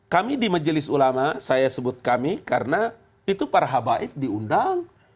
kami di majelis ulama saya sebut kami karena itu para habaib diundang